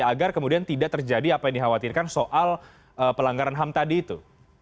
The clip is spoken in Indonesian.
agar kemudian tidak terjadi apa yang dikhawatirkan soal pelanggaran ham tadi itu